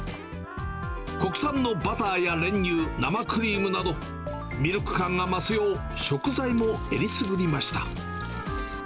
国産のバターや練乳、生クリームなど、ミルク感が増すよう、食材もえりすぐりました。